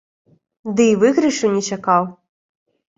Дый выйгрышу не чакаў.